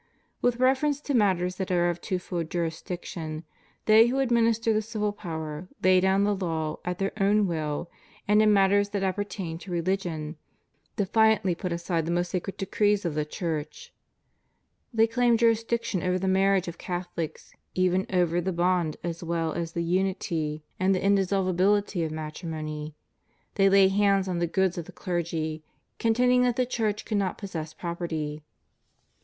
With reference to matters that are of twofold jurisdiction, they who administer the civil power lay down the law at their own will, and in matters that appertain to religion defiantly put aside the most sacred decrees of the Church. They claim jurisdiction over the marriages of Catholics, even over the bond as well as the unity and the indissolu 122 CHRISTIAN CONSTITUTION OF STATES. bility of matrimony. They lay hands on the goods of the clergy, contending that the Church cannot possess property.